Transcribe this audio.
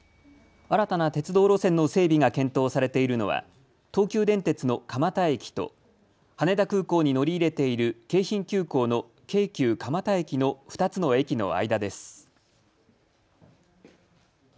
新たな鉄道路線の整備が検討されているのは東急電鉄の蒲田駅と羽田空港に乗り入れている京浜急行の京急蒲田駅の２つの駅の間です。